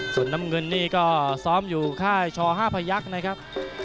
ส่วนน้ำเงินนี่ก็ซ้อมอยู่ค่ายช๕พยักษ์นะครับ